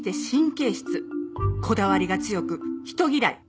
こだわりが強く人嫌い